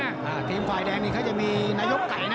ต้องการกลุ่มไขวดแดงก็จะมีนายพ์ไก่นะ